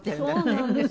そうなんです。